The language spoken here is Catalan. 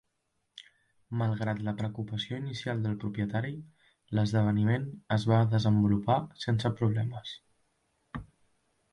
Malgrat la preocupació inicial del propietari, l'esdeveniment es va desenvolupar sense problemes.